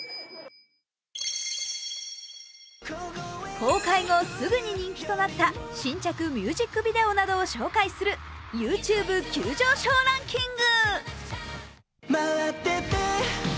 公開後すぐに人気となった新着ミュージックビデオなどを紹介するＹｏｕＴｕｂｅ急上昇ランキング。